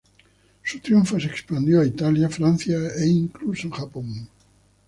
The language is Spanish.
Su triunfo se expandió a Italia, Francia e incluso Japón.